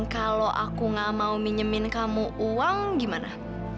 kalau aku nggak mau minyemin kamu uang gimana